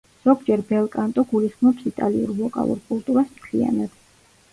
ზოგჯერ ბელკანტო გულისხმობს იტალიურ ვოკალურ კულტურას მთლიანად.